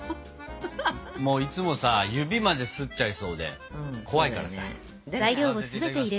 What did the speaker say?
もういつもさ指まですっちゃいそうで怖いからさ使わせて頂きます。